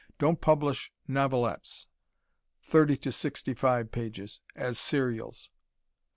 Don't publish novelettes (thirty to sixty five pages) as serials.